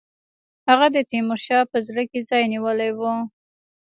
هغه د تیمورشاه په زړه کې ځای نیولی وو.